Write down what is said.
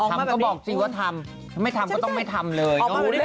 ทำก็บอกจริงว่าทำไม่ทำก็ต้องไม่ทำเลย